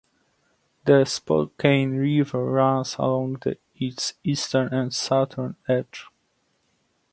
The Spokane River runs along its eastern and southern edge.